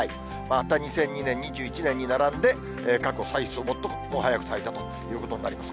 また２００２年、２０２１年に並んで過去最早、最も早く咲いたということになります。